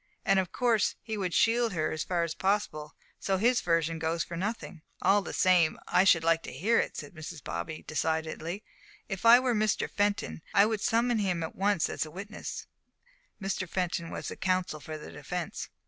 And of course he would shield her as far as possible, so his version goes for nothing." "All the same, I should like to hear it," said Mrs. Bobby decidedly. "If I were Mr. Fenton, I should summon him at once as witness." (Mr. Fenton was the counsel for the defence.)